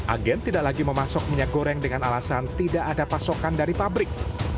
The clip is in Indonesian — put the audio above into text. agen tidak lagi memasok minyak goreng dengan alasan tidak ada pasokan dari pabrik